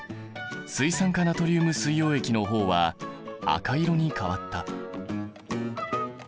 水酸化ナトリウム水溶液の方は赤色に変わった。